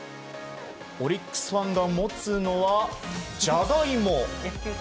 オリックスファンが持つのはジャガイモ。